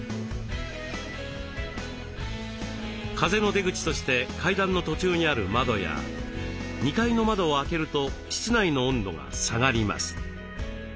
風の出口として階段の途中にある窓や２階の窓を開けると室内の温度が下がります。